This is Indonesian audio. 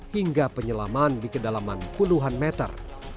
hingga penyelaman di kedalaman puluhan meter